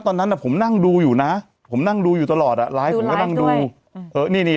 ตอนนั้นอ่ะผมนั่งดูอยู่น่ะผมนั่งดูอยู่ตลอดอ่ะดูด้วยนี่นี่